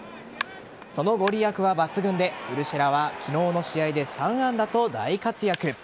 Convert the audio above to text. その御利益は抜群でウルシェラは昨日の試合で３安打と大活躍。